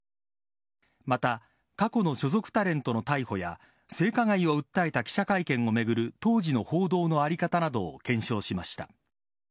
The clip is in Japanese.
また過去の所属タレントの逮捕や性加害を訴えた記者会見を巡る当時の報道の在り方などを検証しました。